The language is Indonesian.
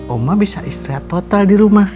omah bisa istri total di rumah